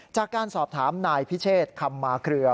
จากการสอบถามนายพิเชษคำมาเครือ